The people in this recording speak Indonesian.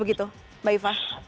itu mbak ifah